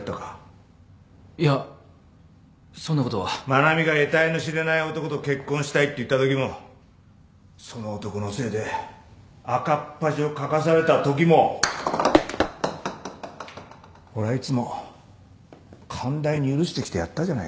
愛菜美がえたいの知れない男と結婚したいって言ったときもその男のせいで赤っ恥をかかされたときも俺はいつも寛大に許してきてやったじゃないか。